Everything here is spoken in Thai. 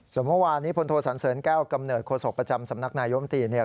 ส่วนเมื่อวานนี้พลโทสันเสริญแก้วกำเนิดโศกประจำสำนักนายมตีเนี่ย